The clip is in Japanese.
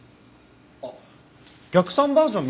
あっ逆算バージョン見てみる？